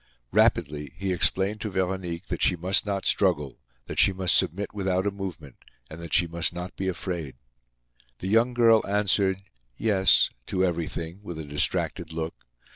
Rapidly, he explained to Veronique that she must not struggle, that she must submit without a movement, and that she must not be afraid. The young girl answered "yes" to everything, with a distracted look.